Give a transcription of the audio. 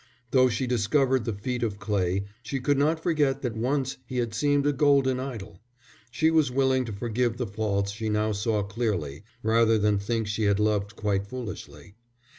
Though she discovered the feet of clay, she could not forget that once he had seemed a golden idol. She was willing to forgive the faults she now saw clearly, rather than think she had loved quite foolishly.